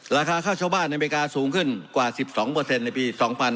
ราคาข้าวชาวบ้านอเมริกาสูงขึ้นกว่า๑๒ในปี๒๕๕๙